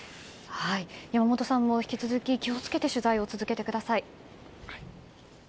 山本さんも引き続き気を付けて取材を続けてください。